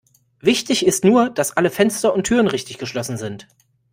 Wichtig ist nur, dass alle Fenster und Türen richtig geschlossen sind.